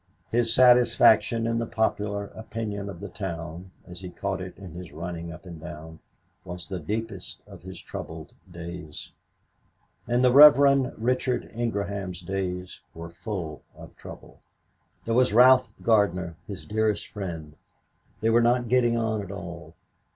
His satisfaction in the popular opinion of the town, as he caught it in his running up and down, was the deepest of his troubled days. And the Reverend Richard Ingraham's days were full of trouble. There was Ralph Gardner his dearest friend. They were not getting on at all.